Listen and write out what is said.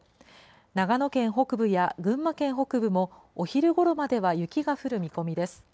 長野県北部や群馬県北部も、お昼ごろまでは雪が降る見込みです。